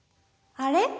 「あれ？